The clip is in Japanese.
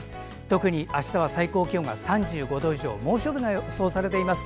特にあしたは最高気温が３５度以上猛暑日が予想されています。